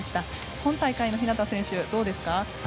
今大会の日向選手、どうですか？